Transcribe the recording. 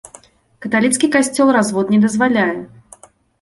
Каталіцкі касцёл развод не дазваляе.